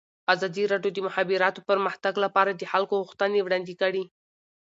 ازادي راډیو د د مخابراتو پرمختګ لپاره د خلکو غوښتنې وړاندې کړي.